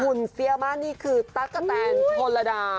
หุ่นเซียมาสนี่คือตั๊กกะแตนธนรดา